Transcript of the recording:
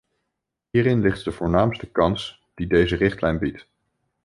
Hierin ligt de voornaamste kans die deze richtlijn biedt.